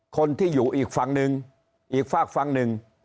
คนที่อยู่อีกฝั่งหนึ่งอีกฝากฝั่งหนึ่ง